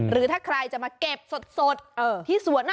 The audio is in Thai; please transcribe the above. หรือถ้าใครจะมาเก็บสดที่สวน